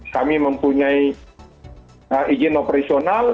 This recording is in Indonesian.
kami mempunyai izin operasional